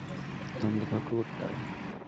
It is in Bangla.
নাম লেখো কুকুরটার।